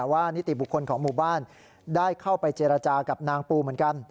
นิติบุคคลของหมู่บ้านได้เข้าไปเจรจากับนางปูเหมือนกัน